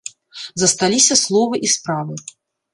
Засталіся словы і справы.